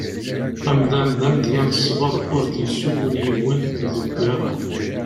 Amdan d amedya n ṣsber ur d-yessugun yiwen deg ugama.